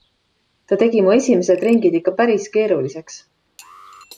Ta tegi mu esimesed ringid ikka päris keeruliseks.